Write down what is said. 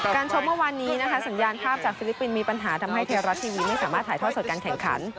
ชกเมื่อวานนี้นะคะสัญญาณภาพจากฟิลิปปินส์มีปัญหาทำให้ไทยรัฐทีวีไม่สามารถถ่ายทอดสดการแข่งขัน